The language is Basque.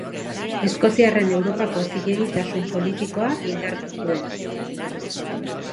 Eskoziarren Europako zilegitasun politikoa indartu zuen.